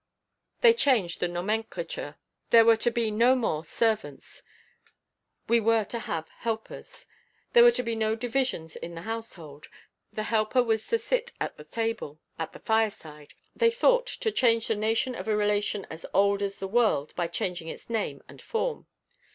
They changed the nomenclature. There were to be no more "servants" we were to have helpers. There were to be no divisions in the household. The helper was to sit at the table, at the fireside. (They thought to change the nature of a relation as old as the world by changing its name and form.)